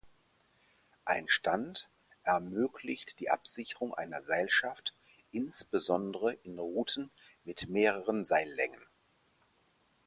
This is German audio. Ein Stand ermöglicht die Absicherung einer Seilschaft insbesondere in Routen mit mehreren Seillängen.